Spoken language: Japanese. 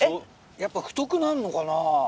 やっぱ太くなんのかな？